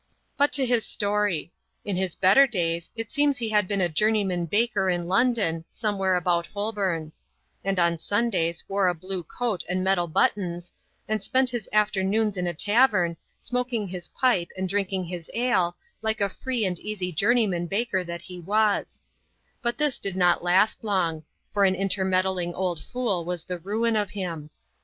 But to his history. In his better days, it seems he had beei^ a journeyman baker in London, somewhere about Holbom; and on Sundajrs wore a blue coat and metal \>\iUQiCi3&) «sA «^^ssdi^ K 3 54 ADVENTURES IN THE SOUTH SEAS. [chap. jov. bis afternoons in a tavern, smoking his pipe and drinking his ale, like a free and easj joumejonan baker that he was. But this did not last long ; for an intermeddling old fool was the ruin of him.